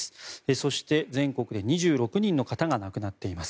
そして、全国で２６人の方が亡くなっています。